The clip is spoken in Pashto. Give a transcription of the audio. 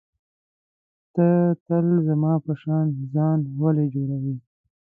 ته تل زما په شان ځان ولي جوړوې.